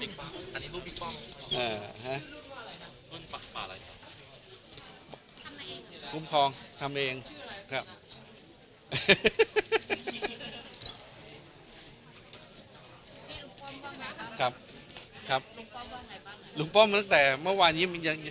พี่ลุงป้อมบ้างนะครับครับลุงป้อมบ้างไหนบ้างลุงป้อมมาตั้งแต่เมื่อวานนี้มันยัง